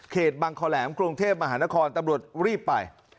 บังคอแหลมกรุงเทพมหานครตำรวจรีบไป